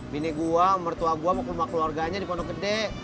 bini gue mertua gue mau ke rumah keluarganya di pondok gede